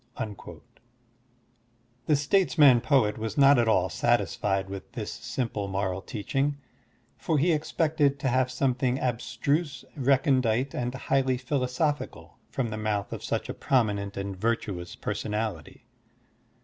*'^ The statesman poet was not at all satisfied with this simple moral teaching, for he expected to have something abstruse, recondite, and highly philosophical from the mouth of such a promi nent and virtuous personality.